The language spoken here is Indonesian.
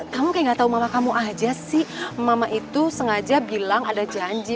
kamu kayak gak tau mama kamu aja sih mama itu sengaja bilang ada janji